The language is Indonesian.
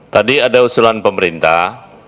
tadi ada usulan pemerintah